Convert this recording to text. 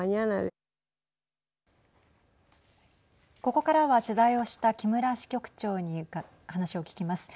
ここからは取材をした木村支局長に話を聞きます。